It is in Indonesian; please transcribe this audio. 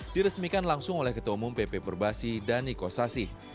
diresmikan langsung oleh ketua umum pp perbasi dan niko sasi